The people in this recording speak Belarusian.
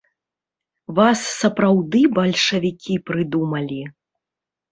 Вас сапраўды бальшавікі прыдумалі!